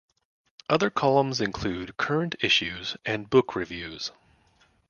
Other columns include Current Issues and Book Reviews.